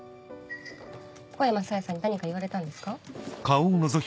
小山紗枝さんに何か言われたんですか？